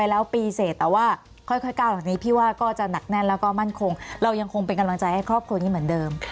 แล้วก็มั่นคงเรายังคงเป็นกำลังใจให้ครอบครัวนี้เหมือนเดิม